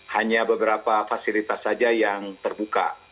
hanya beberapa fasilitas saja yang terbuka